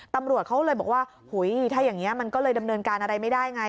ตำรวจเขาเลยบอกว่าหุยถ้าอย่างนี้มันก็เลยดำเนินการอะไรไม่ได้ไง